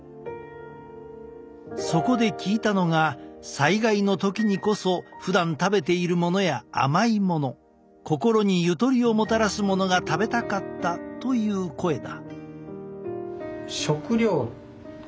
そこで聞いたのが災害の時にこそ「ふだん食べているものや甘いもの心にゆとりをもたらすものが食べたかった」という声だ。